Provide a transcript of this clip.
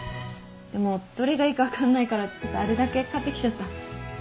でもどれがいいか分かんないからあるだけ買ってきちゃった。